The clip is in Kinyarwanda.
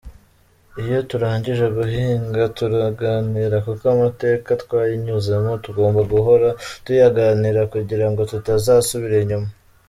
Iyo turangije guhinga turaganira kuko amateka twanyuzemo tugomba guhora tuyaganira kugira ngo tutazasubira inyuma”.